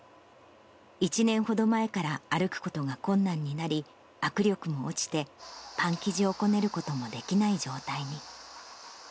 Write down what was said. １年ほど前から歩くことが困難になり、握力も落ちて、パン生地をこねることもできない状態に。